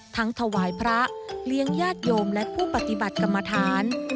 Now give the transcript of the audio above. ถวายพระเลี้ยงญาติโยมและผู้ปฏิบัติกรรมฐาน